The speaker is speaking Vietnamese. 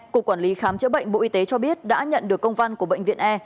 cục quản lý khám chữa bệnh bộ y tế cho biết đã nhận được công văn của bệnh viện e